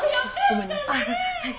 ごめんなさい。